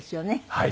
はい。